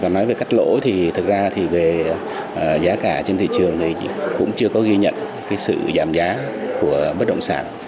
nói về cắt lỗ thì thực ra thì về giá cả trên thị trường này cũng chưa có ghi nhận sự giảm giá của bất động sản